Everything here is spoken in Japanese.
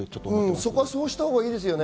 そこはそうしたほうがいいですね。